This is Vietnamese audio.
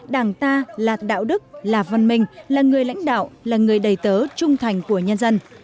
đảng ta là đạo đức là văn minh là người lãnh đạo là người đầy tớ trung thành của nhân dân